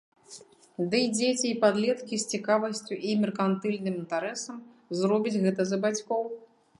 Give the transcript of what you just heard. Дый дзеці і падлеткі з цікавасцю і меркантыльным інтарэсам зробяць гэта за бацькоў.